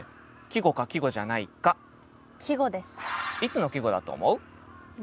いつの季語だと思う？